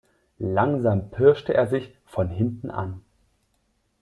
Langsam pirschte er sich von hinten an.